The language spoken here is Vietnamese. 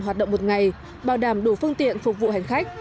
hoạt động một ngày bảo đảm đủ phương tiện phục vụ hành khách